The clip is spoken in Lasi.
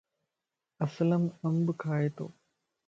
اسلم انب کائي تو.